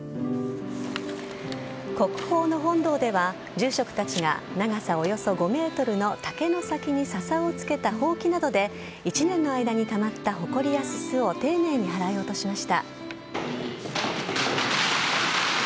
国宝の本堂では、住職たちが長さおよそ５ｍの竹の先に笹をつけたほうきなどで１年の間にたまったほこりやすすを丁寧に払い落としました。